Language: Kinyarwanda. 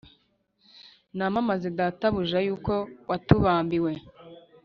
Namamaze, Databuja, Yuko watubambiwe: